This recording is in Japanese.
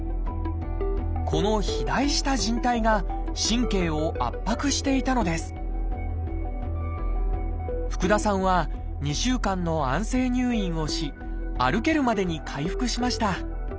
この肥大したじん帯が神経を圧迫していたのです福田さんは２週間の安静入院をし歩けるまでに回復しました。